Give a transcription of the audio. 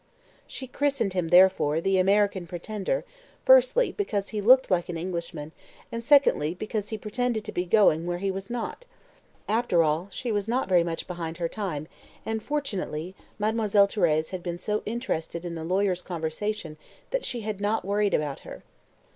She christened him, therefore, the "American Pretender," firstly, because he looked like an Englishman, and secondly, because he pretended to be going where he was not. After all, she was not very much behind her time, and, fortunately, Mademoiselle Thérèse had been so interested in the lawyer's conversation that she had not worried about her.